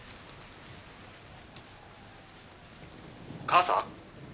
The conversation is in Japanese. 「母さん？」